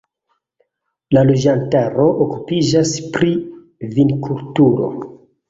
La loĝantaro okupiĝas pri vinkulturo.